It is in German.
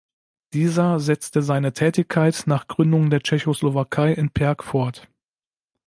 Dieser setzte seine Tätigkeit nach Gründung der Tschechoslowakei in Perg fort.